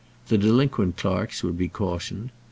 The delinquent clerks would be cautioned.